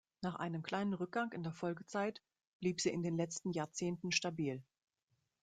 Nach einem kleinen Rückgang in der Folgezeit blieb sie in den letzten Jahrzehnten stabil.